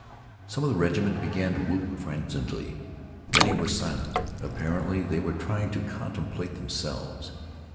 Some in the regiment began to whoop frenziedly. Many were silent. Apparently they were trying to contemplate themselves.